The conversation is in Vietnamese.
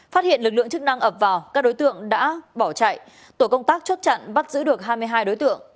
phát hiện lực lượng chức năng ập vào các đối tượng đã bỏ chạy tổ công tác chốt chặn bắt giữ được hai mươi hai đối tượng